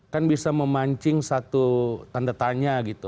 kan bisa memancing satu tanda tanya gitu